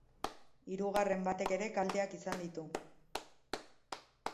Hirugarren batek ere kalteak izan ditu.